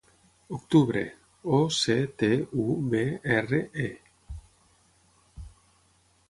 Octubre: o, ce, te, u, be, erra, e.